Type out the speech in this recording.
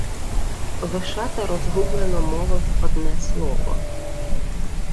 Вишата розгублено мовив одне слово: